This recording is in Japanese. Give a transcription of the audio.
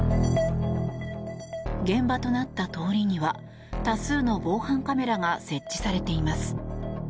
現場となった通りには、多数の防犯カメラが設置されています。